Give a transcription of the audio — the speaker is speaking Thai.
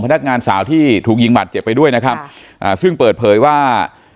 นักงานสาวที่ถูกยิงบาดเจ็บไปด้วยนะครับอ่าซึ่งเปิดเผยว่า